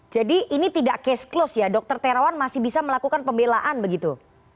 jadi ini tidak case close ya dr terawan masih bisa melakukan pembelaan begitu